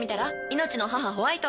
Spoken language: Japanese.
「命の母ホワイト」。